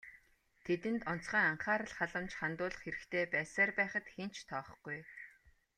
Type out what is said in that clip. Тэдэнд онцгой анхаарал халамж хандуулах хэрэгтэй байсаар байхад хэн ч тоохгүй.